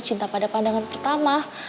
cinta pada pandangan pertama